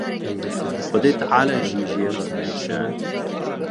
Xwedî Teala jî jê re dibêje.